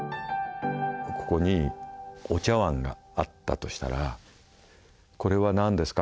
ここにお茶わんがあったとしたら「これは何ですか？